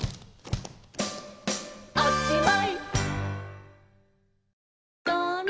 「おしまい！」